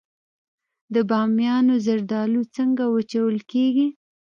د بامیان زردالو څنګه وچول کیږي؟